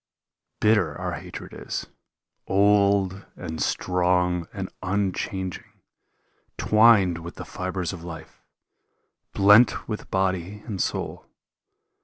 Bitter our hatred is, old and strong and unchanging. Twined with the fibres of life, blent with body and soul.